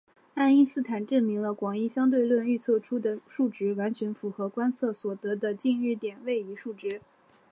爱因斯坦证明了广义相对论预测出的数值完全符合观测所得的近日点位移数值。